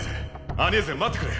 アニェーゼ待ってくれ。